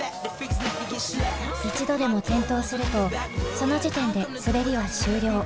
一度でも転倒するとその時点で滑りは終了。